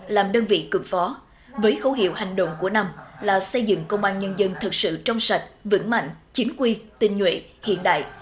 làm đơn vị cực phó với khẩu hiệu hành động của năm là xây dựng công an nhân dân thật sự trong sạch vững mạnh chính quy tinh nhuệ hiện đại